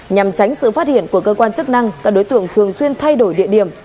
nhằm tránh sự phát hiện của cơ quan chức năng các đối tượng thường xuyên thay đổi địa điểm